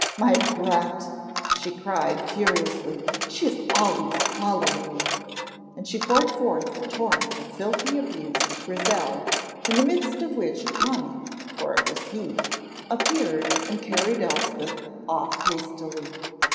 "My brat!" she cried, furiously, "she is always following me," and she poured forth a torrent of filthy abuse of Grizel, in the midst of which Tommy (for it was he) appeared and carried Elspeth off hastily.